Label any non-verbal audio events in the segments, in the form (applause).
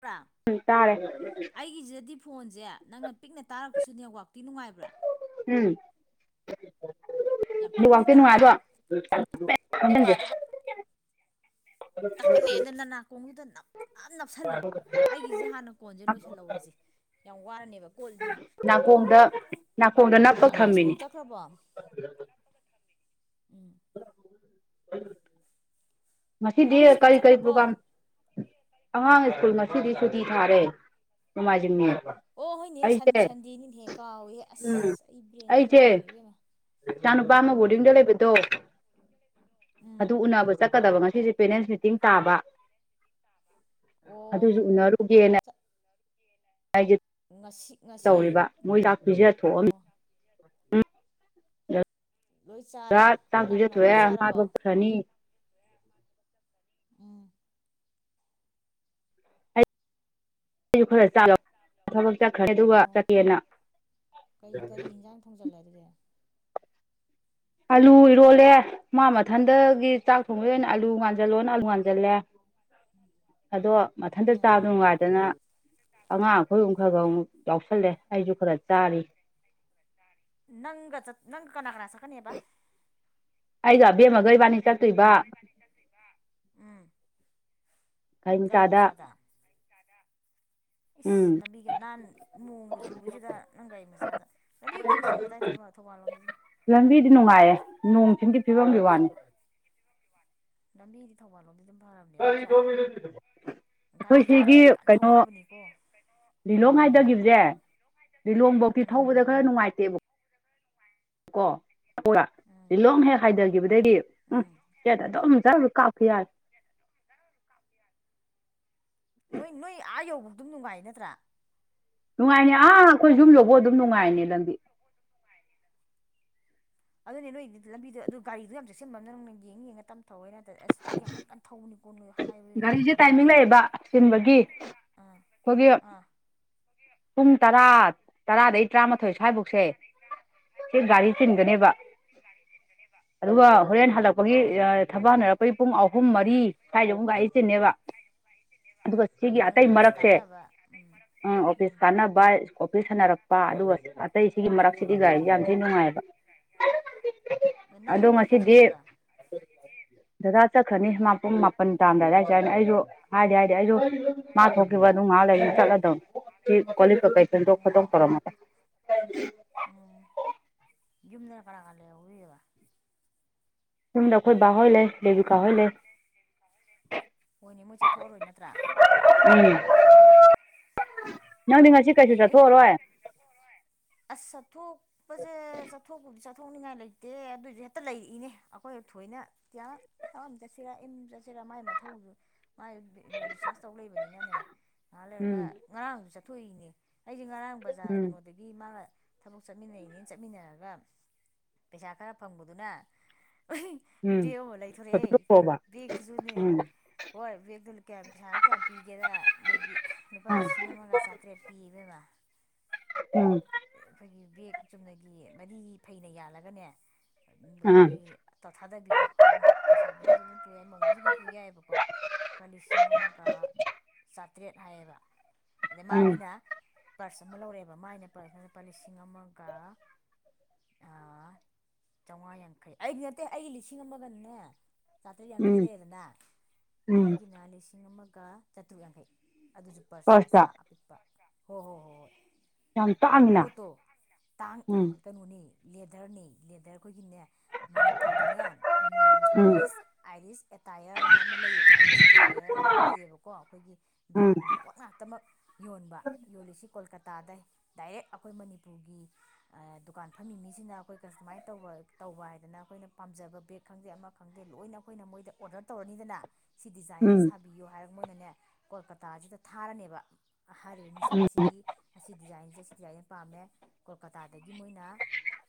ꯕ꯭ꯔꯥ ꯎꯝ ꯇꯥꯔꯦ ꯑꯩꯒꯤꯁꯤꯗꯗꯤ ꯐꯣꯟꯁꯦ ꯅꯪꯅ ꯄꯤꯛꯅ ꯇꯥꯔꯛꯄꯁꯨ ꯅꯦꯠꯋꯥꯛꯇꯤ ꯅꯨꯡꯉꯥꯏꯕ꯭ꯔꯥ ꯎꯝ ꯌꯥꯝ ꯅꯦꯠ ꯄꯤꯛꯅꯗꯤ ꯋꯥꯥꯛꯇꯦ ꯅꯨꯡꯉꯥꯏꯗꯣ ꯇꯥꯕ꯭ꯔꯕ ꯌꯥꯝ ꯇꯞꯄꯦ ꯈꯣꯟꯖꯦꯟꯁꯦ ꯇꯞꯄꯅꯦ ꯑꯗꯨꯅ ꯅꯅꯥꯀꯣꯡꯗꯨꯗ ꯅꯞ ꯅꯞꯁꯜꯂꯣ ꯑꯩꯒꯤꯁꯦ ꯍꯥꯟꯅ ꯀꯣꯟꯁꯦ ꯂꯣꯏꯁꯤꯜꯍꯧꯔꯁꯦ ꯌꯥꯝ ꯋꯥꯔꯅꯦꯕ ꯀꯣꯜꯂꯤꯁꯦ ꯅꯥꯈꯣꯡꯗ ꯅꯥꯀꯣꯡꯗ ꯅꯞꯄ ꯑꯉꯥꯡ ꯊꯝꯃꯤꯅꯤ ꯁ꯭ꯀꯨꯜ ꯆꯠꯈ꯭ꯔꯕꯣ ꯎꯝ ꯎꯝ ꯃꯁꯤꯁꯤꯗꯤ ꯑꯉꯥꯡ ꯁ꯭ꯀꯨꯜ ꯀꯔꯤ ꯀꯔꯤ ꯆꯠꯈ꯭ꯔꯕꯣ ꯄ꯭ꯔꯣꯒꯥ꯭ꯔꯝ ꯑꯉꯥꯡ ꯁ꯭ꯀꯨꯜ ꯉꯁꯤꯗꯤ ꯁꯨꯇꯤ ꯊꯥꯔꯦ ꯅꯣꯡꯃꯥꯏꯖꯤꯡꯅꯤ ꯑꯣ ꯍꯣꯏꯅꯦꯍꯦꯟ ꯑꯩꯁꯦ ꯁꯟꯗꯦꯅꯤꯅꯦꯍꯦ ꯀꯥꯎꯋꯦ ꯎꯝ ꯑꯁ ꯑꯩ ꯕ꯭ꯔꯦꯟꯁꯦ ꯌꯥꯗ꯭ꯔꯦ ꯑꯩꯁꯦ ꯏꯕꯦꯝꯃ ꯏꯆꯥꯅꯨꯄꯥ ꯑꯃ ꯎꯝ ꯕꯣꯔꯗꯤꯡꯗ (inaudible) ꯎꯝ ꯑꯗꯨ ꯎꯅꯕ ꯆꯠ ꯆꯠꯀꯗꯕ ꯉꯁꯤꯁꯦ ꯄꯦꯔꯦꯟꯁ ꯃꯤꯇꯤꯡ ꯇꯥꯕ ꯑꯣ ꯑꯗꯨꯁꯨ ꯎꯅꯔꯨꯒꯦꯅ ꯍꯥꯢꯗꯤ꯬꯬꯬ ꯉꯁꯤ ꯉꯁꯤ ꯇꯧꯔꯤꯕ ꯃꯣꯏ ꯆꯥꯛ ꯄꯤꯖ ꯊꯣꯛꯑꯝꯃꯤ ꯑꯣ ꯂꯣꯏ ꯔꯥ ꯆꯥꯔꯦ ꯆꯥꯛ ꯀꯅꯥ ꯄꯤꯖ ꯀꯅꯥ ꯅꯪꯗꯤ ꯊꯣꯛꯑꯦ ꯃꯥ ꯆꯥꯔꯕꯣ ꯊꯣꯛꯈ꯭ꯔꯅꯤ (inaudible) ꯑꯥ ꯑꯩꯁꯨ ꯅꯪ ꯈꯔ ꯆꯥꯕ ꯊꯕꯛ ꯆꯠꯈ꯭ꯔꯦ ꯑꯗꯨꯒ ꯑꯣ ꯆꯠꯀꯦꯅ ꯀꯩ ꯀꯔꯤ ꯌꯦꯟꯖꯥꯡ ꯊꯣꯡꯖꯜꯂꯦ ꯑꯗꯨꯗꯤ ꯑꯂꯨ ꯏꯔꯣꯜꯂꯦ ꯃꯥ ꯃꯊꯟꯗꯒꯤ ꯆꯥꯛ ꯊꯣꯡꯕꯒꯤ ꯑꯩꯅ ꯎꯝ ꯑꯥꯂꯨ ꯉꯥꯟꯁꯤꯜꯂꯣꯅ ꯑꯂꯨ ꯉꯥꯟꯖꯜꯂꯦ ꯑꯗꯣ ꯃꯊꯟꯇ ꯎꯝ ꯆꯥꯕꯗꯣ ꯅꯨꯡꯉꯥꯏꯗꯅ ꯑꯉꯥꯡ ꯑꯩꯈꯣꯏꯒꯨ ꯈꯔ ꯈ ꯑꯃꯨꯛ ꯌꯥꯎꯁꯜꯂꯦ ꯑꯩꯁꯨ ꯈꯔ ꯆꯥꯔꯤ ꯅꯪꯒ ꯆꯠ ꯅꯪ ꯀꯅꯥ ꯀꯅꯥ ꯆꯠꯀꯅꯤꯕ ꯑꯥꯢꯖꯞ ꯑꯩꯒ ꯑꯕꯦꯝꯃꯒ ꯢꯕꯥꯟꯅꯤ ꯆꯠꯇꯣꯢꯕ ꯎꯝ ꯒꯥꯔꯤ ꯃꯆꯥꯗ ꯏꯁ ꯎꯝ ꯂꯝꯕꯤꯒ ꯅꯥꯟ ꯅꯣꯡꯒ ꯆꯨꯕꯁꯤꯗ ꯅꯪ ꯒꯥꯔꯤ ꯃꯆꯥꯗ ꯂꯝꯕꯤꯕꯨꯗꯤ ꯀꯩꯁꯨ ꯇꯧꯗꯗꯥꯏ ꯊꯝꯕꯥꯜ ꯊꯧꯕꯥꯜ ꯂꯣꯝ ꯂꯝꯕꯤꯗꯤ ꯅꯨꯡꯉꯥꯏꯌꯦ ꯅꯣꯡ ꯆꯤꯡꯒꯤ ꯐꯤꯕꯝꯒꯤ ꯋꯥꯅꯤ ꯂꯝꯕꯤꯗꯤ ꯊꯧꯕꯥꯜꯂꯣꯝꯗꯤ ꯗꯨꯝ ꯑꯩꯈꯣꯏ ꯒꯥꯔꯤꯗꯣ ꯀꯟ ꯁꯤꯒꯤ ꯀꯟ ꯀꯩꯅꯣ ꯊꯧꯅꯕꯅꯤꯀꯣ ꯂꯤꯂꯣꯡ ꯍꯥꯏꯗꯈꯤꯕꯁꯦ ꯂꯤꯂꯣꯡꯕꯧꯗꯤ ꯎꯝ ꯊꯧꯕꯗ ꯈꯔ ꯅꯨꯡꯉꯥꯏꯇꯦꯕ ꯀꯣ ꯎꯝ ꯂꯤꯂꯣꯡ ꯍꯦꯛ ꯍꯥꯏꯊꯈꯤꯕꯗꯩꯗꯤ ꯎꯝ ꯁ꯭ꯇꯔꯦꯠ ꯑꯗꯨꯝ ꯀ ꯄꯤꯌꯥꯔ ꯅꯣꯏ ꯅꯣꯏ ꯑꯥ ꯌꯧꯕ ꯑꯗꯨꯝ ꯅꯨꯡꯉꯥꯏ ꯅꯠꯇ꯭ꯔꯥ ꯅꯨꯡꯉꯥꯏꯅꯦ ꯑꯥ ꯑꯩꯈꯣꯏ ꯌꯨꯝ ꯌꯧꯕꯧ ꯑꯗꯨꯝ ꯅꯨꯡꯉꯥꯏꯅꯦ ꯂꯝꯕꯤ ꯑꯗꯨꯅꯦ ꯅꯣꯏꯗꯤ ꯂꯝꯕꯤꯗꯣ ꯑꯗꯨ ꯒꯥꯔꯤꯗꯨ ꯌꯥꯝ ꯆꯦꯛꯁꯤꯟꯕ ꯑꯃꯅ ꯅꯪꯅ ꯌꯦꯡ ꯌꯦꯡꯉ ꯇꯞ ꯊꯧꯍꯦꯅ ꯑꯁ ꯒꯥꯔꯤ ꯌꯥꯝ ꯀꯟ ꯀꯟ ꯊꯧꯕꯅꯤ ꯒꯥꯔꯤꯁꯦ ꯇꯥꯏꯃꯤꯡ ꯂꯩꯌꯦꯕ ꯆꯤꯟꯕꯒꯤ ꯑꯥ ꯑꯩꯈꯣꯏꯒꯤ ꯑꯥ ꯄꯨꯡ ꯇꯔꯥ ꯇꯔꯥꯗꯒꯤ ꯇꯔꯥꯃꯥꯊꯣꯏ ꯁ꯭ꯋꯥꯏꯐꯧ ꯁꯦ ꯁꯤ ꯒꯥꯔꯤ ꯎꯝ ꯆꯤꯟꯒꯅꯦꯕ ꯑꯗꯨꯒ ꯎꯝ ꯍꯣꯔꯦꯟ ꯍꯜꯂꯛꯄꯒꯤ ꯑ ꯊꯕꯛ ꯍꯟꯅꯔꯛꯄꯒꯤ ꯄꯨꯡ ꯑꯍꯨꯝ ꯃꯔꯤ ꯀꯥꯏꯗꯅꯣ ꯒꯥꯔꯤꯆꯤꯟꯅꯤꯕ ꯑꯗꯨꯒ ꯁꯤꯒꯤ ꯅꯣꯏꯅ ꯑꯇꯩ ꯑꯣꯐꯤꯁ ꯃꯔꯛꯁꯦ ꯀꯥꯟꯅꯕ ꯎ ꯑꯣꯐꯤꯁ ꯎꯝ ꯀꯥꯟꯅꯕ ꯏꯀꯣꯐꯤꯁ ꯍꯟꯅꯔꯛꯄ ꯑꯗꯨꯒ ꯑꯇꯩ ꯁꯤꯒꯤ ꯃꯔꯛꯁꯤꯗꯤ ꯒꯥꯔꯤ ꯌꯥꯝ ꯑꯩ ꯅꯨꯡꯉꯥꯏꯕ ꯎꯝ ꯑꯗꯣ ꯅꯪ ꯄꯨꯡ ꯀꯌꯥ ꯉꯁꯤꯗꯤ ꯆꯠꯇꯣꯏꯕ ꯗꯗꯥ ꯆꯠꯈ꯭ꯔꯅꯤ ꯃꯥ ꯄꯨꯡ ꯃꯥꯄꯟ ꯇꯥꯝꯗꯥꯏ ꯑꯗꯥꯏ ꯆꯠꯅꯤ ꯑꯩꯁꯨ ꯍꯥꯏꯗꯤ ꯍꯥꯏꯗꯤ ꯑꯩꯁꯨ ꯃꯥ ꯊꯣꯛꯈꯤꯕ ꯑꯗꯨꯝ ꯉꯥꯏꯍꯥꯛ ꯂꯩ ꯆꯠꯂꯗꯧꯅꯤ ꯑꯣ (unintelligible) ꯨꯌꯨꯝꯗꯅ ꯀꯅꯥ ꯀꯅꯥ ꯂꯩꯍꯧꯗꯣꯏꯕ ꯌꯨꯝꯗꯈꯣꯏ ꯕꯥ ꯍꯣꯏ ꯂꯩ ꯀꯍ ꯂꯩ ꯍꯣꯏꯅꯦ ꯃꯣꯏ ꯆꯠꯊꯣꯛꯑꯔꯣꯏ ꯅꯠꯇ꯭ꯔꯥ ꯎꯝ (unintelligible) ꯅꯪꯗꯤ ꯉꯁꯤ ꯀꯩꯁꯨ ꯑꯩ ꯑꯩ ꯆꯠꯊꯣꯛꯑꯔꯣꯏ ꯑꯁ ꯆꯊꯣꯛꯄꯁꯦ ꯆꯠꯊꯣꯛ ꯀꯨꯝ ꯆ ꯊꯣꯛꯅꯤꯡꯉꯥꯏ ꯂꯩꯇꯦ ꯑꯗꯨꯁꯨ ꯍꯦꯛꯇ ꯂꯩꯔꯛꯏꯅꯦ ꯑꯩꯈꯣꯏ ꯊꯣꯏꯅ ꯇꯌꯥ ꯁꯨꯝ ꯊꯕꯛ ꯑꯃꯥ ꯆꯠꯁꯤꯔꯥ ꯆꯠꯁꯤꯔꯥ ꯃꯥꯏ ꯃꯊꯧ ꯃꯥꯥꯏ ꯔꯤꯆꯥꯔꯖ ꯇꯧ ꯂꯩꯕꯅꯤꯅꯅꯦ ꯉꯍꯥꯛ ꯂꯩꯔꯒ ꯎꯝ ꯉꯔꯥꯡꯁꯨ ꯆꯠ ꯊꯨꯏꯅꯦ ꯑꯩꯁꯦ ꯉꯔꯥꯡ ꯕꯖꯥꯔ ꯎꯝ ꯀꯩꯅꯣꯗꯒꯤ ꯒꯤ ꯃꯥꯒ ꯊꯕꯛ ꯆꯠꯃꯤꯟꯅꯩꯅꯤ ꯆꯠꯃꯤꯟꯅꯔꯒ ꯄꯩꯁꯥ ꯈꯔ ꯐꯪꯕꯗꯨꯅ ꯎꯝ ꯕꯦꯒ ꯑꯃ ꯂꯩꯊꯣꯔꯛꯑꯦ ꯆꯠꯊꯣꯛꯑꯕ ꯕꯦꯛꯇꯨꯁꯨꯅꯦ ꯎꯝ ꯍꯣꯏ ꯕꯦꯒꯇꯨ ꯀꯌꯥꯝ ꯄꯩꯁꯥꯒ ꯀꯌꯥꯝ ꯄꯤꯒꯦꯗ ꯃꯣꯏꯒꯤ ꯂꯨꯄꯥ ꯎꯝ ꯂꯤꯁꯤꯡ ꯑꯃꯒ ꯆꯥꯇ꯭ꯔꯦꯠ ꯄꯤ ꯏꯕꯦꯝꯃ ꯎꯝ ꯑꯩꯈꯣꯏꯒꯤ ꯕꯦꯒ ꯆꯨꯝꯅꯒꯤ ꯃꯔꯤ ꯐꯩꯅ ꯌꯥꯜꯂꯒꯅꯦ ꯝ ꯑꯥ ꯑꯩꯈꯣꯏꯒꯤ ꯇꯊꯥꯗꯕꯤꯗꯣ ꯑꯗꯨꯝ ꯂꯩꯁꯥꯕꯤꯅꯁꯨ ꯑꯗꯨꯝ ꯄꯨ ꯌꯥꯏ ꯃꯧꯅꯁꯨ ꯑꯗꯨꯝ ꯄꯨ ꯌꯥꯏꯑꯕꯀꯣ ꯂꯨꯄꯥ ꯂꯤꯁꯤꯡ ꯑꯃꯒ ꯆ ꯇꯔꯦꯠ ꯍꯥꯏꯌꯦꯕ ꯑꯗ ꯎꯝ ꯃꯥꯒꯤꯅꯥ ꯄꯔꯁ ꯑꯃ ꯂꯧꯔꯦꯕ ꯃꯥꯥꯏꯅ ꯂꯨꯄꯥ ꯂꯤꯁꯤꯡ ꯑꯃꯒ ꯆꯥꯝꯃꯉꯥ ꯌꯥꯡꯈꯩ ꯑꯩꯗꯤ ꯅꯠꯇꯦ ꯑꯩꯒꯤ ꯂꯤꯁꯤꯡ ꯑꯃꯒꯅꯤꯅꯦ ꯆꯥꯇ꯭ꯔꯦꯠ ꯎꯝ ꯌꯥꯡꯈꯩ ꯂꯩꯗꯅ ꯎꯝ ꯃꯥꯒꯤꯅ ꯂꯤꯁꯤꯡ ꯑꯃꯒ ꯀꯥ ꯆꯠꯇ꯭ꯔꯨꯛ ꯌꯥꯡꯈꯩ ꯑꯗꯨꯁꯨ ꯄꯔꯁ ꯕꯁꯇ ꯃꯆꯥ ꯑꯄꯤꯛꯄ ꯍꯣꯏ ꯍꯣꯏ ꯍꯣꯏ ꯍꯣꯏ ꯌꯥꯝ ꯇꯥꯡꯉꯤꯅ ꯄꯣꯠꯇꯣ ꯇꯥꯡ ꯎꯝ ꯏꯃꯥꯏ ꯀꯩꯅꯣꯅꯦ ꯂꯦꯗꯔꯅꯦ ꯂꯦꯗꯔ ꯑꯩꯈꯣꯏꯒꯤꯅꯦ ꯃꯅꯤꯄꯨꯔꯗꯅꯦ ꯎꯝ ꯑꯥꯏꯔꯤꯁ ꯑꯥꯏꯔꯤꯁ ꯑꯦꯇꯥꯌꯔꯅ ꯑꯃ ꯂꯩꯌꯦꯕ ꯑꯥꯏꯔꯤꯁ ꯑꯦꯇꯥꯌꯔꯅ ꯂꯩꯌꯦꯕꯀꯣ ꯑꯩꯈꯣꯏꯒꯤ ꯎꯝ ꯕ꯭ꯔꯥꯟꯒꯤ ꯄꯣꯠ ꯉꯥꯛꯇꯃꯛ ꯌꯣꯟꯕ ꯌꯣꯜꯂꯤꯁꯤ ꯀꯣꯜꯀꯇꯥ ꯇꯥꯗꯩ ꯗꯥꯏꯔꯦꯛ ꯑꯩꯈꯣꯏ ꯃꯅꯤꯄꯨꯔꯒꯤ ꯗꯨꯀꯥꯟ ꯐꯝꯃꯤ ꯃꯤꯁꯤꯅ ꯑꯩꯈꯣꯏ ꯀꯁꯇꯃꯥꯏꯠ ꯇꯧꯕ ꯇꯧꯕ ꯍꯥꯏꯗꯅ ꯑꯩꯈꯣꯏꯅ ꯄꯥꯝꯖꯕ ꯕꯦꯒ ꯈꯪꯗꯦ ꯑꯃ ꯈꯪꯗꯦ ꯂꯣꯏꯅ ꯑꯩꯈꯣꯏꯅ ꯃꯣꯏꯗ ꯑꯣꯗꯔ ꯇꯧꯔꯅꯤꯗꯅ ꯁꯤ ꯗꯤꯖꯥꯏꯟꯁꯦ ꯎꯝ ꯁꯥꯕꯤꯌꯣ ꯍꯥꯏꯔ ꯃꯣꯏꯅꯅꯦ ꯀꯣꯜꯀꯇꯥꯁꯤꯗ ꯊꯥꯔꯅꯦꯕ ꯍꯥꯏꯔꯤꯕ ꯃꯤꯁꯛ ꯑꯁꯤꯒꯤ ꯑꯁꯤ ꯗꯤꯖꯥꯏꯟ ꯁꯤꯗꯤ ꯑꯩ ꯄꯥꯝꯃꯦ ꯀꯣꯜꯀꯇꯥꯗꯒꯤ ꯃꯣꯏꯅ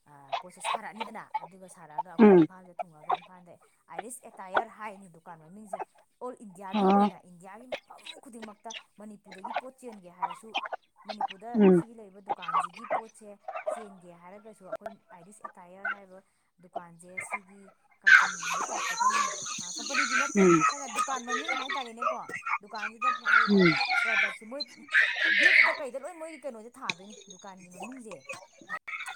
ꯑ ꯁꯥꯔꯛꯑꯅꯤꯗꯅ ꯑꯗꯨꯒ ꯁꯥꯔꯛꯑꯒ ꯑꯩꯈꯣꯏ ꯎꯝ ꯎꯝ ꯏꯝꯐꯥꯜꯗ ꯊꯣꯡꯉꯒ ꯥ ꯑꯥꯏꯔꯤꯁ ꯑꯦꯇꯥꯌꯔ ꯍꯥꯏ ꯗꯨꯀꯥꯟ ꯃꯃꯤꯡꯁꯦ ꯑꯣꯔ ꯏꯟꯗꯤꯌꯥꯒꯤ ꯑꯣ ꯑꯣꯏꯅ ꯏꯟꯗꯤꯌꯥꯒꯤ ꯃꯐꯝ ꯈꯨꯗꯤꯡꯃꯛꯇ ꯃꯅꯤꯄꯨꯔꯗꯒꯤ ꯄꯣꯠ ꯆꯦꯟꯒꯦ ꯍꯥꯏꯔꯁꯨ ꯃꯅꯤꯄꯨꯔꯗ ꯎꯝ ꯎꯝ ꯁꯤꯒꯤ ꯂꯩꯕ꯭ꯔꯥ ꯗꯨ ꯗꯨꯀꯥꯟꯁꯤꯒꯤ ꯄꯣꯠꯁꯦ ꯆꯦꯟꯒꯦ ꯍꯥꯏꯔꯒꯁꯨ ꯑꯩꯈꯣꯏ ꯑꯥꯏꯔꯤꯁ ꯑꯦꯇꯥꯌꯔ ꯍꯥꯏꯕ ꯗꯨꯀꯥꯟꯁꯦ ꯁꯤꯒꯤ ꯀꯝꯄꯅꯤꯒꯨꯝꯕꯩ ꯇꯥꯏꯞꯇ ꯑꯩꯈꯣꯏ ꯀꯝꯄꯅꯤꯗꯤ ꯅꯠꯇꯦ ꯎꯝ ꯁ ꯗꯨ ꯗꯨꯀꯥꯟ ꯃꯃꯤꯡ ꯍꯥꯏꯇꯥꯔꯦꯅꯦꯀꯣ ꯗꯨꯀꯥꯟꯁꯤꯗ ꯃꯥꯔꯔꯤꯕ ꯄ꯭ꯔꯗꯛ ꯃꯣꯏ ꯕꯦꯛꯇ ꯀꯩꯗ ꯂꯣꯏ ꯃꯣꯏ ꯀꯩꯅꯣꯁꯦ ꯊꯥꯗꯣꯏꯅꯦ ꯗꯨꯀꯥꯟꯒꯤ ꯃꯃꯤꯡꯁꯦ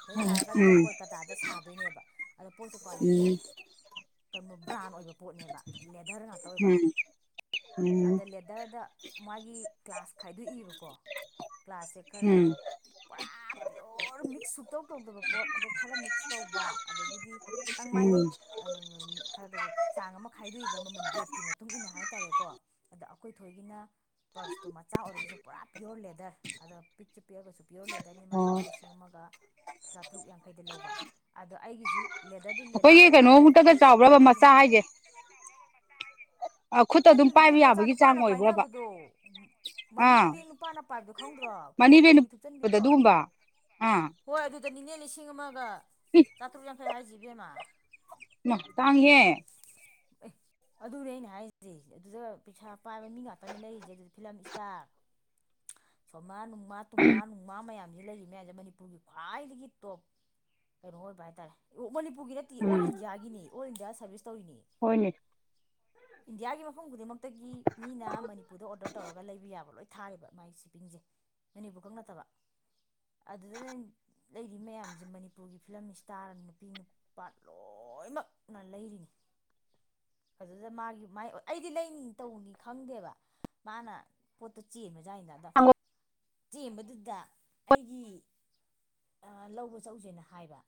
ꯂꯣꯏ ꯊꯥꯔꯒ ꯑꯗꯨꯒ ꯀꯣꯜꯀꯇꯥꯗ ꯁꯥ ꯏꯅꯦꯕ ꯑꯗꯣ ꯄꯣꯠꯁꯨ ꯎꯝ ꯀ꯭ꯋꯥꯂꯤꯇꯤ ꯀꯩꯕ ꯕ꯭ꯔꯥꯟ ꯑꯣꯏꯕ ꯄꯣꯠꯅꯦꯕ ꯂꯦꯗꯔ ꯉꯥꯛꯇ ꯑꯣꯏꯕ ꯎꯝ ꯎꯝ ꯎꯝ ꯑꯗ ꯂꯦꯗꯔꯗ ꯃꯥꯒꯤ ꯀ꯭ꯂꯥꯁ ꯈꯥꯏꯗꯣꯛꯏꯕꯀꯣ ꯀ꯭ꯂ꯭ꯂꯥꯁꯁꯦ ꯈꯔ ꯎꯝ ꯄꯨꯔꯥ ꯄꯤꯌꯣꯔ ꯃꯤꯛꯁ ꯁꯨꯛꯇꯧ ꯇꯧꯗꯕ ꯄꯣꯠ ꯑꯗ ꯈꯔ ꯃꯤꯛꯁ ꯇꯧꯕ ꯑꯗꯒꯤꯗꯤ ꯈꯤꯇꯪ ꯃꯥꯒꯤ ꯎꯝ ꯈꯔ ꯈꯔ ꯆꯥꯡ ꯑꯃ ꯈꯥꯏꯗꯣꯛꯏꯕ ꯃꯃꯜ ꯔꯦꯠꯀꯤ ꯃꯇꯨꯡ ꯏꯟꯅ ꯍꯥꯏꯇꯥꯔꯦꯀꯣ ꯑꯗ ꯑꯩꯈꯣꯏꯊꯣꯏꯒꯤꯅ ꯄꯔꯁꯇꯣ ꯃꯆꯥ ꯑꯣꯏꯔꯒꯁꯨ ꯄꯨꯔꯥ ꯄꯤꯌꯣꯔ ꯂꯦꯗꯔ ꯑꯗꯣ ꯄꯤꯛꯁꯨ ꯄꯤꯛꯑꯒꯁꯨ ꯄꯤꯌꯣꯔ ꯂꯦꯗꯔꯅꯤ ꯃꯥꯅ ꯂꯨꯄꯥ ꯑꯣ ꯂꯤꯁꯤꯡ ꯑꯃꯒ ꯆꯥꯇ꯭ꯔꯨꯨꯛ ꯌꯥꯡꯈꯩꯗ ꯂꯧꯕ ꯑꯗꯣ ꯑꯩꯒꯤꯁꯨ ꯂꯦꯗꯔꯗꯤ ꯂꯦꯗꯔ ꯑꯩꯈꯣꯏꯒꯤ ꯑꯗꯨꯒ ꯈꯤꯇꯪ ꯀꯩꯅꯣꯃꯨꯛꯇꯒ ꯃꯤꯛꯁ ꯇꯧꯕ ꯆꯥꯎꯕ꯭ꯔꯕ ꯃꯆꯥ ꯑꯩꯒꯤꯅ ꯍꯥꯏꯁꯦ ꯈꯨꯠꯇ ꯍꯦꯟ ꯑꯗꯨꯝ ꯕꯦꯒ ꯄꯥꯏꯕ ꯃꯆꯥ ꯌꯥꯕꯒꯤ ꯆꯥꯡ ꯅꯨꯄꯥꯅ ꯑꯣꯏꯕ꯭ꯔꯕ ꯄꯥꯏꯅꯕꯗꯣ ꯃꯅꯤ ꯑꯥ ꯕꯦꯒ ꯅꯨꯄꯥꯅ ꯄꯥꯏꯕꯗꯣ ꯈꯪꯗ꯭ꯔꯣ ꯐꯣꯜ ꯃꯅꯤꯕꯦꯅ ꯇꯧꯕꯤ ꯄꯗ ꯊꯨꯞꯆꯟꯕꯤꯗꯣ ꯑꯗꯨꯒꯨꯝꯕ ꯑꯥ ꯍꯣꯏ ꯑꯗꯨꯗꯅꯦ ꯂꯤꯁꯤ ꯂꯤꯁꯤꯡ ꯑꯃꯒ ꯆꯥꯥꯇ꯭ꯔꯨꯛ ꯌꯥꯡ ꯊꯩ ꯍꯥꯏꯥꯖꯤ ꯏꯕꯦꯃꯥ ꯃ ꯇꯥꯡꯉꯦ ꯍꯩ (unintelligible) ꯑꯦ ꯑꯗꯨꯔꯦ ꯑꯩꯅ ꯍꯥꯏꯁꯤꯔꯤ ꯑꯗꯨꯗ ꯄꯩꯁꯥ ꯄꯥꯏꯕ ꯃꯤ ꯉꯥꯛꯇꯅꯦ ꯂꯩꯔꯤꯁꯦ ꯑꯗꯨꯗꯤ ꯐꯤꯂꯝ ꯏꯁꯇꯥꯔ ꯁꯣꯃꯥ ꯃꯥ ꯃꯥꯅꯨꯡ ꯃꯥ ꯃꯌꯥꯝ ꯁꯤꯗ ꯂꯩꯔꯤꯕ ꯃꯌꯥꯝꯁꯦ ꯃꯅꯤꯄꯨꯔꯒꯤ ꯈ꯭ꯋꯥꯏꯗꯒꯤ ꯇꯣꯞ ꯀꯩꯅꯣ ꯑꯣꯏꯕ ꯍꯥꯏꯇꯥꯔꯦꯅꯤꯄꯨꯔ ꯄ ꯄꯨꯒꯤ ꯔꯠꯇꯇ ꯑꯣꯜ ꯎꯝ ꯏꯟꯌꯥꯒꯤꯅꯤ ꯑꯣꯜ ꯏꯟꯗꯤꯌꯥ ꯁꯥꯔꯚꯤꯁ ꯇꯧꯔꯤꯅꯤ ꯍꯣꯏꯅꯦ ꯏꯟꯗꯤꯌꯥꯒꯤ ꯃꯐꯝ ꯈꯨꯗꯤꯡꯃꯛꯇꯒꯤ ꯃꯤꯅ ꯃꯅꯤꯄꯨꯔꯗ ꯑꯣꯔꯗꯔ ꯇꯧꯔꯒ ꯂꯩꯕ ꯌꯥꯕ ꯂꯣꯏ ꯊꯥꯔꯦꯕ ꯃꯥꯒꯤ ꯁꯤꯞꯄꯤꯡꯁꯦ ꯃꯅꯤꯄꯨꯔ ꯈꯛ ꯅꯠꯇꯕ ꯑꯗꯨꯗꯅꯦ ꯂꯩꯔꯤꯕ ꯃꯌꯥꯝꯁꯦ ꯃꯅꯤꯄꯨꯔꯒꯤ ꯐꯤꯂꯝ ꯏꯁꯇꯥꯔ ꯅꯨꯄꯤ ꯅꯨꯄꯥ ꯂꯣꯏꯅꯃꯛꯅ ꯂꯩ ꯑꯗꯨꯗ ꯃꯥꯒꯤ ꯃꯥꯏ ꯑꯩꯗꯤ ꯂꯩ ꯅꯤ ꯇꯧꯅꯤ ꯈꯪꯗꯦꯕ ꯃꯥꯅꯥ ꯄꯣꯠꯇ ꯆꯤꯃꯦ ꯃꯖꯏꯗꯗ ꯆꯦꯝꯕꯗꯨꯗ ꯑꯩꯒꯤ ꯂꯧꯕ ꯆꯧꯁꯦꯅ ꯍꯥꯏꯕ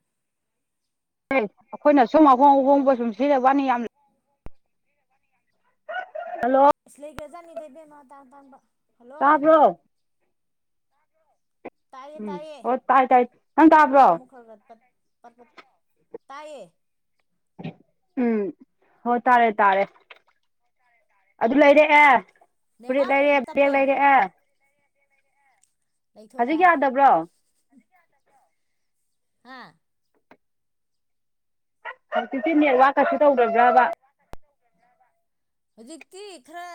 ꯎꯝ ꯑꯩꯈꯣꯏꯅ ꯁꯨꯝ ꯑꯍꯣꯡ ꯍꯜꯂꯣ ꯑꯍꯣꯡꯕ ꯁꯨꯝ ꯁꯤꯖꯤꯖ ꯋꯥꯅꯤ ꯌꯥꯝ ꯍꯜꯂꯣ ꯏꯁ ꯂꯒꯖꯅ ꯅꯤ ꯦꯕꯦ ꯃꯥ ꯇꯥꯡ ꯇꯥꯡꯝꯕ ꯇꯥꯕ꯭ꯔꯣ ꯇꯥꯏꯌꯦ ꯎꯝ ꯇꯥꯏꯌꯦ ꯍꯣꯏ ꯊꯥꯏ ꯅꯦꯠꯋꯥꯛ ꯇꯥꯕ꯭ꯔꯣ ꯑꯃꯨꯛ ꯈꯔ ꯈꯔ ꯇꯥꯏꯌꯦ ꯎꯝ ꯍꯣꯏ ꯇꯥꯔꯦ ꯇꯥꯔꯦ ꯑꯗꯨ ꯂꯩꯔꯦꯦ ꯐꯨꯔꯤꯠ ꯅꯦꯠꯋꯥꯛ ꯂꯩꯔꯦ ꯑꯃꯨꯛ ꯕꯦꯛ ꯇꯞꯄꯦ ꯂꯩꯔꯦ ꯍꯧꯖꯤꯛ ꯌꯥꯗꯕ꯭ꯔꯣ ꯍꯥꯥ ꯍꯧꯖꯤꯛꯇꯤ ꯅꯦꯠꯋꯥꯛꯀꯁꯨ ꯇꯧꯗꯗ꯭ꯔꯕ ꯍꯧꯖꯤꯛꯇꯤ ꯈꯔ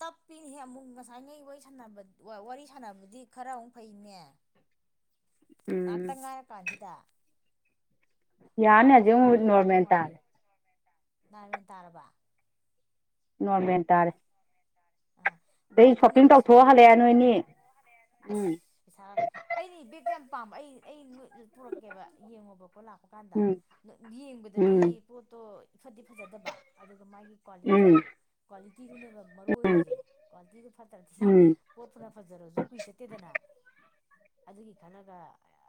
ꯇꯞꯄꯤꯅꯤꯍ ꯑꯃꯨꯛ ꯉꯁꯥꯏ ꯅ ꯋꯥꯔꯤ ꯋꯥꯔꯤ ꯁꯥꯟꯅꯕꯗꯤ ꯈꯔ ꯑꯃꯨꯛ ꯐꯩꯅꯦ ꯎꯝ ꯅꯠꯇ ꯉꯥꯏꯔ ꯀꯖꯤꯗ ꯏꯟꯗꯤꯌꯥꯅꯦ ꯍꯧꯖꯤꯛ ꯅꯣꯃꯦꯟ ꯇꯥꯔꯦ ꯅꯃꯟ ꯇꯥꯔꯔꯕ ꯅꯃꯦꯟ ꯇꯔ ꯑꯥ ꯑꯣ ꯑꯗꯨꯅꯦ ꯄꯩꯁꯥꯗꯨ ꯍꯜꯂꯛꯑꯦ ꯅꯣꯏꯅꯤ ꯑꯁ ꯎꯝ ꯄꯩꯁꯥ ꯑꯩꯗꯤ ꯕꯦꯛ ꯄꯥꯝꯕ ꯑꯩ ꯑꯩ ꯄꯨꯔꯛꯀꯦꯕ ꯌꯦꯡꯉꯣꯕꯀꯣ ꯂꯥꯛꯄ ꯀꯥꯟꯗ ꯎꯝ ꯌꯦꯡꯕꯗꯗꯤ ꯎꯝ ꯄꯣꯠꯇꯣ ꯏꯐꯗꯤ ꯐꯖꯗꯕ ꯑꯗꯨ ꯃꯥꯒꯤ ꯎꯝ ꯀ꯭ꯋꯥꯂꯤꯇꯤꯗꯣ ꯀ꯭ꯋꯥꯂꯤꯇꯤꯗꯨꯅꯦꯕ ꯃꯔꯨ ꯑꯣꯏ ꯀ꯭ꯋꯥꯂꯤꯇꯤ ꯐꯠꯇ꯭ꯔꯗꯤ ꯎꯝ ꯄꯣꯠ ꯇꯨꯅ ꯐꯔꯁꯨ ꯀꯨꯏ ꯆꯠꯇꯦꯗꯅ ꯑꯗꯨꯒꯤ ꯈꯟꯂꯒ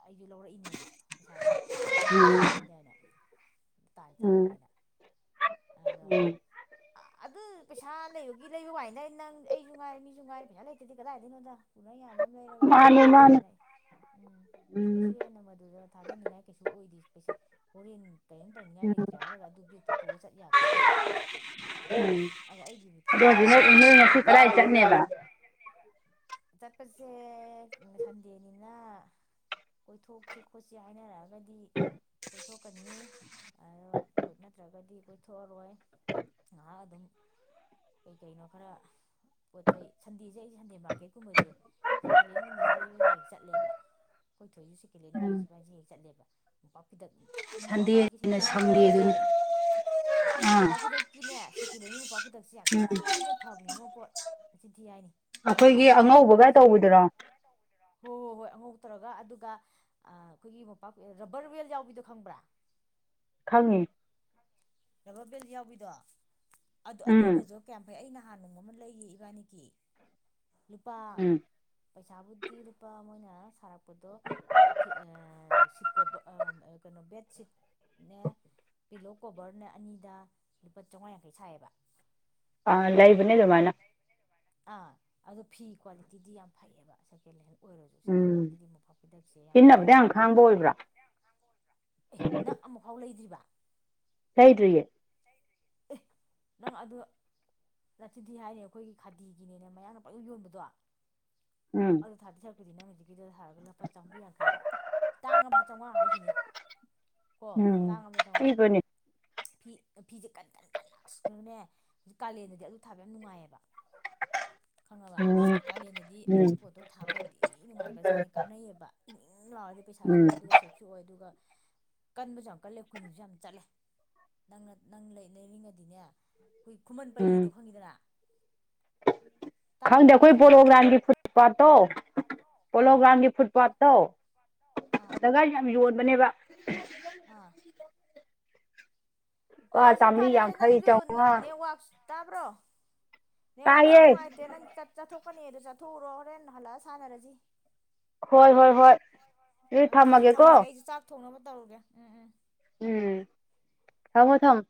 ꯑꯩꯁꯨ ꯂꯧꯔꯛꯏꯅꯦꯕ ꯄꯩꯁꯥꯗꯨ ꯈꯨꯠꯇ ꯈꯤꯇꯪ ꯎꯝ ꯂꯩꯔꯤꯉꯩ ꯑꯗꯨꯗꯅ ꯇꯥꯟ ꯎꯝ ꯆꯥꯔꯦꯅ ꯎꯝ ꯑꯗꯣ ꯎꯝ ꯄꯩꯁꯥ ꯂꯩꯕꯒꯤ ꯂꯩꯕ ꯋꯥꯥꯟꯅꯤꯗ ꯅꯪ ꯑꯩꯁꯨ ꯉꯥꯏꯔꯦ ꯃꯤꯁꯨ ꯉꯥꯏꯔꯦ ꯄꯩꯁꯥ ꯂꯩꯇ꯭ꯔꯗꯤ ꯀꯗꯥꯏꯗꯩꯅꯣꯗ ꯄꯨꯔꯥ ꯌꯥꯕ ꯑꯃ ꯂꯩꯔꯒ ꯑꯗꯨꯝ ꯃꯥꯅꯦ ꯃꯥꯅꯦ ꯌꯥꯔꯄꯣꯠꯅꯤꯗ ꯑꯩ ꯎꯝ ꯎꯝ ꯀꯩꯁꯨ ꯍꯦꯟꯅ ꯃꯗꯨꯗ ꯊꯥꯗꯅꯤꯡꯉꯥꯏ ꯀꯩꯁꯨ ꯑꯣꯏꯗꯦ ꯄꯩꯁꯥ ꯍꯣꯔꯦꯟ ꯀꯦꯝ ꯇꯧꯅꯤꯡꯉꯥꯏ ꯂꯩꯇ꯭ꯔꯦ ꯍꯥꯏꯔꯒ ꯑꯗꯨ ꯕꯦꯒꯇ ꯄꯨꯔ ꯆꯠ ꯌꯥꯄꯣꯠꯇꯦ ꯑꯗꯣ ꯑꯩꯒꯤꯕꯨ ꯇꯉꯥꯏꯐꯗꯅ ꯎꯝ ꯉꯁꯤ ꯊꯗꯥꯏ ꯆꯠꯅꯦꯕ ꯆꯠꯄꯁꯦ ꯁꯟꯗꯦꯅꯤꯅ ꯀꯣꯏꯊꯣꯛꯁꯤ ꯈꯣꯠꯁꯤ ꯍꯥꯏꯅꯔꯛꯑꯒꯗꯤ ꯀꯣꯏꯊꯣꯛꯀꯅꯤ ꯑꯗꯣ ꯅꯠꯇ꯭ꯔꯒꯗꯤ ꯀꯣꯏꯊꯣꯛꯑꯔꯣꯏ ꯉꯍꯥꯛ ꯑꯗꯨꯝ ꯀꯩ ꯀꯩꯅꯣ ꯈꯔ ꯄꯣꯠ ꯆꯩ ꯁꯟꯗꯦꯁꯦ ꯑꯩ ꯁꯟꯗꯦ ꯃꯥꯔꯀꯦꯠꯀꯨꯝꯕꯁꯦ ꯁꯦꯀꯦꯟ ꯍꯦꯟꯒꯨꯝꯕꯁꯦ ꯂꯩꯕꯁꯨ ꯍꯦꯛ ꯍꯦꯛ ꯆꯠꯂꯦꯕ ꯑꯩꯈꯣꯏ ꯊꯣꯏꯁꯨ ꯎꯝ ꯁꯦꯀꯦꯂꯦꯟꯒꯨꯝꯕꯁꯤ ꯏꯕꯥꯅꯤ ꯍꯦꯛ ꯍꯦꯛ ꯆꯠꯂꯦꯕ ꯃꯣꯝꯄꯥꯛ ꯐꯤꯗꯛ ꯏ ꯃꯣꯄꯥꯛꯐꯤꯗꯛꯀꯤ ꯁꯟꯗꯦꯅ ꯁꯦꯀꯦꯟ ꯍꯦꯟꯒꯩꯁꯦ ꯄꯟꯆꯥ ꯁꯟꯗꯦꯗꯨꯅꯤ ꯑꯥ ꯃꯣꯄꯥꯛꯐꯤꯗꯛꯀꯤꯅꯦ ꯁꯦꯀꯦꯟ ꯍꯦꯟꯒꯤ ꯃꯄꯥ ꯐꯤꯗꯛꯁꯦ ꯌꯥꯝ ꯎꯝ ꯊꯤꯅ ꯉꯣꯄꯣꯠ ꯅꯆꯤꯟꯊꯤ ꯍꯥꯏꯅꯤ ꯑꯩꯈꯣꯏꯒꯤ ꯑꯍꯟꯕꯗ ꯑꯉꯧꯕꯒ ꯂꯩꯗꯣꯏ ꯁꯔꯨꯛꯄꯨꯗꯤ ꯇꯧꯕꯤꯗꯨꯔꯣ ꯍꯣꯏ ꯍꯣꯏ ꯍꯣꯏ ꯑꯉꯧ ꯇꯧꯔꯒ ꯑꯗꯨꯒ ꯑꯩꯈꯣꯏꯒꯤ ꯃꯣꯄꯥꯛ ꯔꯕꯔ ꯋꯦꯜ ꯌꯥꯎꯕꯤꯗꯣ ꯈꯪꯕ꯭ꯔꯥ ꯈꯪꯉꯤ ꯔꯕꯔ ꯕꯦꯜ ꯌꯥꯎꯕꯤꯗꯣ ꯑꯗꯨ ꯎꯝ ꯑꯗꯨꯒꯁꯨ ꯀꯌꯥꯝ ꯐꯩ ꯑꯩꯅ ꯅꯍꯥꯟ ꯅꯣꯡꯃ ꯑꯃ ꯂꯩꯔꯨꯏ ꯏꯕꯥꯅꯤꯒꯤ ꯂꯨꯄꯥ ꯎꯝ ꯄꯩꯁꯥ ꯕꯨꯙꯤ ꯂꯨꯄꯥ ꯃꯣꯏꯅ ꯅꯁꯥꯔꯛ ꯄꯗꯣ ꯑ ꯁꯤꯠ ꯀꯣꯚꯔ ꯑꯥ ꯀꯩꯅꯣ ꯕꯦꯠꯁꯤꯠꯅꯦ ꯄꯤꯂꯣ ꯀꯣꯚꯔꯅꯦ ꯑꯅꯤꯗ ꯂꯨꯄꯥ ꯆꯥꯃꯉꯥ ꯌꯥꯡꯈꯩ ꯁꯥꯏꯌꯦꯕ ꯑ ꯂꯩꯕꯅꯦ ꯗꯨꯃꯥꯏꯅ ꯑꯥ ꯑꯗꯣ ꯐꯤ ꯀ꯭ꯋꯥꯂꯤꯇꯤꯗꯤ ꯌꯥꯝ ꯐꯩꯌꯦꯕ ꯁꯦꯀꯦꯟ ꯍꯦꯟ ꯑꯣꯏꯔꯁꯨ ꯎꯝ ꯁꯦꯀꯦꯂꯦꯟꯒꯤꯗꯨꯗꯤ ꯃꯣꯡꯄꯥꯛꯐꯤꯗꯛꯁꯦ ꯌꯥꯝ ꯁꯤꯖꯤꯟꯅꯕꯗ ꯐꯩꯌꯦꯕꯀꯣ ꯈꯥꯡꯕ ꯑꯣꯏꯕ꯭ꯔꯥ ꯑꯦ ꯅꯡ ꯑꯃꯨꯛꯐꯥꯎ ꯂꯩꯗ꯭ꯔꯤꯕ ꯂꯩꯗ꯭ꯔꯤꯌꯦ ꯑꯦ ꯅꯪ ꯑꯗꯨ ꯅꯆꯤꯟꯊꯤ ꯍꯥꯏꯅꯤ ꯑꯩꯈꯣꯏꯒꯤ ꯈꯥꯗꯤꯒꯤꯅꯅꯦ ꯃꯌꯥꯡꯅ ꯄꯡ ꯌꯣꯟ ꯌꯣꯟꯕꯗꯣ ꯎꯝ ꯑꯗꯣ ꯊꯥꯗꯤ ꯊ ꯅꯪ ꯍꯧꯖꯤ ꯒꯤꯗ ꯊꯔꯒ ꯂꯨꯄꯥ ꯆꯥꯝꯃꯔꯤ ꯌꯥꯡꯈꯩ ꯇꯥꯡꯉꯕꯗ ꯆꯥꯝꯃꯉꯥ ꯍꯥꯏꯁꯤꯅꯤ ꯀꯣ ꯎꯝ ꯇꯥꯡꯉꯕꯗ ꯆꯥꯝꯃꯉꯥ ꯄꯤꯕꯅꯦ ꯐꯤ ꯐꯤꯁꯦ ꯀꯟ ꯀꯟ ꯀꯟ ꯑꯁ ꯔꯒꯅꯦ ꯀꯥꯂꯦꯟꯗꯗꯤ ꯑꯗꯨ ꯊꯥꯕ ꯌꯥꯝ ꯅꯨꯡꯉꯥꯏꯌꯦꯕ ꯈꯪꯉꯕ ꯎꯝ ꯀꯥꯂꯦꯟꯗꯗꯤ ꯎꯝ ꯑꯗꯨꯒꯤ ꯄꯣꯠꯇꯣ ꯊꯥꯕ ꯌꯥꯝ ꯊꯤ ꯅꯨꯡꯉꯥꯏꯈ꯭ꯔꯖꯥꯠꯅꯦ ꯀꯥꯟꯅꯩꯑꯕ ꯏꯪ ꯏꯪ ꯂꯥꯎꯔꯗꯤ ꯄꯩꯁꯥꯁꯨ ꯎꯝ ꯀꯥꯟꯅꯩ ꯑꯗꯨꯒ ꯁꯦꯞꯁꯨ ꯑꯣꯏ ꯑꯗꯨꯒ ꯀꯟꯕꯁꯨ ꯌꯥꯝ ꯀꯜꯂꯦ ꯀꯨꯏꯅꯁꯨ ꯌꯥꯝ ꯆꯠꯂꯦ ꯅꯪꯅ ꯅꯪ ꯂꯩꯅꯤꯡꯉꯗꯤꯅꯦ ꯈꯨꯃꯟ ꯎꯝ ꯄꯂꯤꯗꯣ ꯈꯪꯉꯤꯗꯅ ꯇꯥꯕ꯭ꯔꯥ ꯈꯪꯗꯦ ꯑꯩꯈꯣꯏ ꯐꯖꯥ ꯄꯣꯂꯣꯒ꯭ꯔꯥꯝꯒꯤ ꯐꯨꯠ ꯄꯥꯠꯇꯣ ꯑꯥ ꯄꯣꯂꯣꯒ꯭ꯔꯥꯝꯒꯤ ꯐꯨꯠ ꯄꯥꯠ ꯇꯣ ꯑꯥ ꯇꯒ ꯌꯥꯝ ꯌꯣꯟ ꯃꯅꯦꯕ ꯑꯥ ꯂꯨꯄꯥ ꯑꯣꯁꯦ ꯆꯥꯝꯃꯔꯤ ꯐꯔꯦꯁꯦ ꯌꯥꯡꯈꯩ ꯅꯪꯁꯨ ꯆꯥꯝꯃꯉꯥ ꯅꯦꯋꯥꯛ ꯇꯥꯕ꯭ꯔꯣ ꯅꯦꯋꯥꯥꯛꯁꯨ ꯇꯥꯏꯌꯦ ꯅꯨꯉꯥꯏꯇꯦ ꯅꯪꯁꯨ ꯆꯠ ꯆꯠꯊꯣꯛ ꯆꯠꯅꯦꯗꯣ ꯆꯠꯊꯣꯛꯎꯔꯣ ꯍꯣꯔꯦꯟ ꯍꯜꯂꯛꯑ ꯁꯥꯟꯅꯔꯁꯤ ꯍꯣꯏ ꯍꯣꯏ ꯍꯣꯏ ꯑꯗꯨ ꯊꯝꯃꯒꯦꯀꯣ ꯇꯧꯒꯦ ꯎꯝ ꯎꯝ ꯎꯝ ꯊꯃꯣ ꯊꯝ